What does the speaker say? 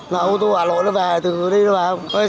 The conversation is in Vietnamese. là ô tô hà nội nó về từ đây nó về không